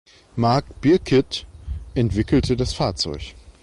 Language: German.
Marc Birkigt entwickelte das Fahrzeug.